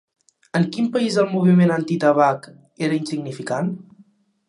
En quin país el moviment antitabac era insignificant?